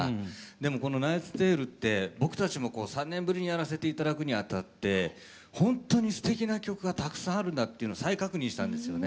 でもこの「ナイツ・テイル」って僕たちも３年ぶりにやらせて頂くにあたってほんとにすてきな曲がたくさんあるんだっていうのを再確認したんですよね。